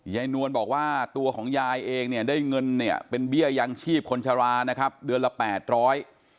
นวลบอกว่าตัวของยายเองเนี่ยได้เงินเนี่ยเป็นเบี้ยยังชีพคนชรานะครับเดือนละแปดร้อย